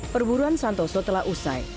perburuan santoso telah usai